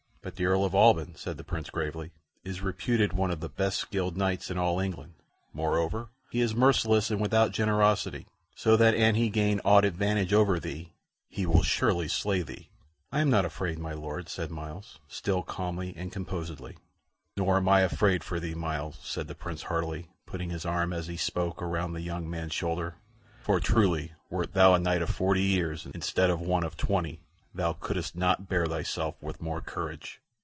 "But the Earl of Alban," said the Prince, gravely, "is reputed one of the best skilled knights in all England; moreover, he is merciless and without generosity, so that an he gain aught advantage over thee, he will surely slay thee." "I am not afraid, my Lord," said Myles, still calmly and composedly. "Nor am I afraid for thee, Myles," said the Prince, heartily, putting his arm, as he spoke, around the young man's shoulder; "for truly, wert thou a knight of forty years, instead of one of twenty, thou couldst not bear thyself with more courage."